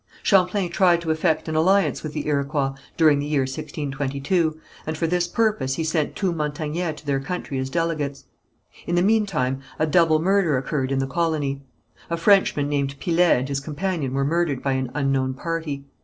Champlain tried to effect an alliance with the Iroquois during the year 1622, and for this purpose he sent two Montagnais to their country as delegates. In the meantime a double murder occurred in the colony. A Frenchman named Pillet and his companion were murdered by an unknown party.